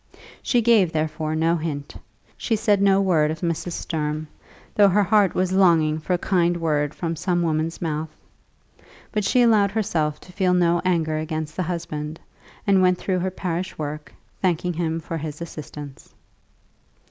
She gave, therefore, no hint; she said no word of Mrs. Sturm, though her heart was longing for a kind word from some woman's mouth. But she allowed herself to feel no anger against the husband, and went through her parish work, thanking him for his assistance.